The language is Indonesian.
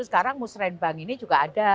sekarang musrembang ini juga ada